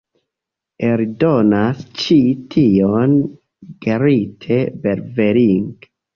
Eldonas ĉi tion Gerrit Berveling.